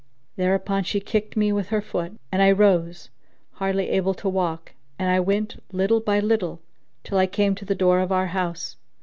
Thereupon she kicked me with her foot and I rose, hardly able to walk; and I went, little by little, till I came to the door of our house.